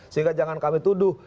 sehingga jangan kami tuduh